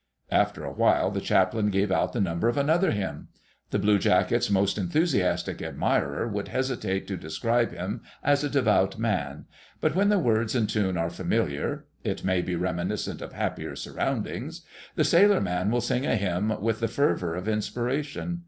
After a while the Chaplain gave out the number of another hymn. The Bluejacket's most enthusiastic admirer would hesitate to describe him as a devout man; but when the words and tune are familiar—it may be reminiscent of happier surroundings—the sailor man will sing a hymn with the fervour of inspiration.